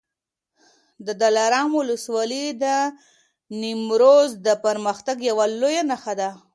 د دلارام ولسوالي د نیمروز د پرمختګ یوه لویه نښه ده.